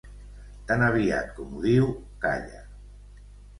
Tan aviat com ho diu, calla.